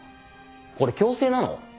これ強制なの？